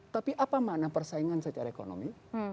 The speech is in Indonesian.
tapi apa makna persaingan secara ekonomi